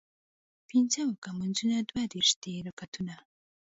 پينځۀ اوکه مونځونه دوه دېرش دي رکعتونه